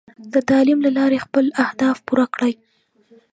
د تعلیم له لارې خپل اهداف پوره کړئ.